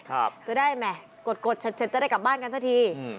เฮ้ยจะได้ไหมกดเฉ็ดจะได้กลับบ้านกันสักที